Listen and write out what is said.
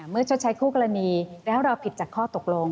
ชดใช้คู่กรณีแล้วเราผิดจากข้อตกลง